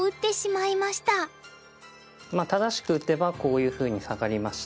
まあ正しく打てばこういうふうにサガりまして。